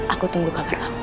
aku tunggu kabar kamu